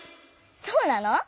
そうなの？